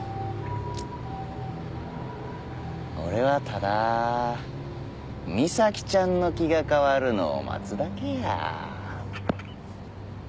俺はただミサキちゃんの気が変わるのを待つだけや。